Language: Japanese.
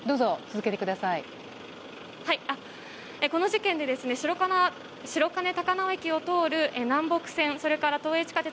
この事件で、白金高輪駅を通る南北線、それから都営地下鉄